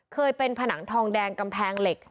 เคยเป็นผนังทองแดงกำแพงเหล็ก